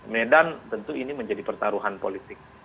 medan tentu ini menjadi pertaruhan politik